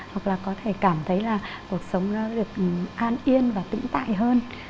hoặc là có thể cảm thấy là cuộc sống nó được an yên và tĩnh tại hơn